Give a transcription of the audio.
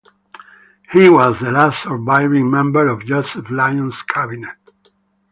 He was the last surviving member of Joseph Lyons' Cabinet.